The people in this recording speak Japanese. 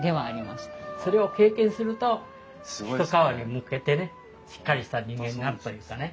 それを経験すると一皮むけてねしっかりした人間になるというかね。